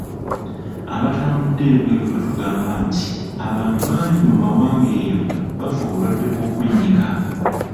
Abatambudde ebweru batugamba nti abantu bangi mu mawanga eyo bafa obulwadde bw’okwennyika.